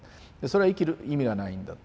それは生きる意味がないんだ。